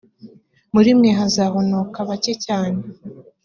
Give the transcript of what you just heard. muri mwe hazahonoka bake cyane,